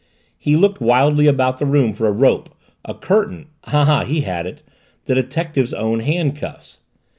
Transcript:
He looked wildly about the room for a rope, a curtain ah, he had it the detective's own handcuffs!